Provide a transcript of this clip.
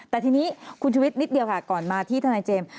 แต่ทีนี้คุณชุวิตนิดเดียวค่ะก่อนมาที่ทนายเจมส์